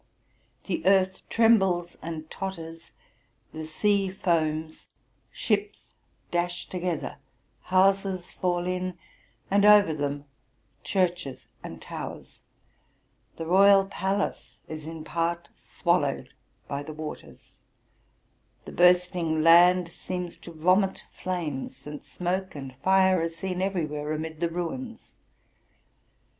The earth trembles and totters ; the sea foams; ships dash together; houses fall in, and over them ehurches and towers ; the royal palace is in part swallowed by the waters ; the bursting land seems to vomit flames, since smoke and fire are seen everywhere amid the ruins.